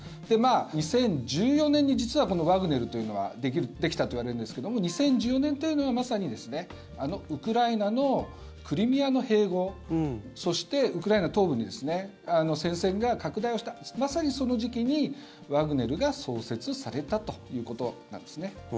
２０１４年に実はこのワグネルというのはできたといわれるんですけども２０１４年というのはまさにあのウクライナのクリミアの併合そして、ウクライナ東部に戦線が拡大をしたまさにその時期にワグネルが創設されたということなんですね。